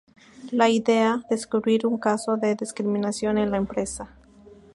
La idea, descubrir un caso de discriminación en la empresa.